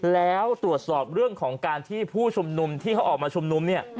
แล้วตรวจสอบเรื่องของการที่ผู้ชุมนุมที่เขาออกมาชุมนุมเนี่ย